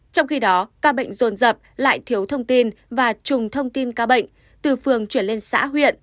trong khi đó ca bệnh rồn dập lại thiếu thông tin và trùng thông tin ca bệnh từ phường chuyển lên xã huyện